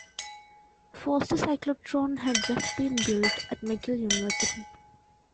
Foster cyclotron had just been built at McGill University.